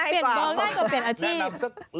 เปลี่ยนเบอร์ง่ายกว่าเปลี่ยนอาชีพ